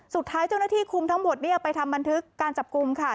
สุดท้ายเจ้าหน้าที่คุมทั้งหมดเนี่ยไปทำบันทึกการจับกลุ่มค่ะ